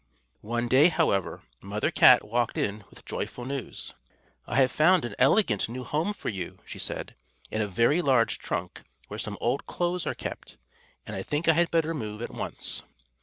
One day, however, Mother Cat walked in with joyful news. "I have found an elegant new home for you," she said, "in a very large trunk where some old clothes are kept; and I think I had better move at once."